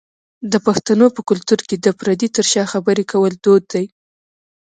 د پښتنو په کلتور کې د پردې تر شا خبری کول دود دی.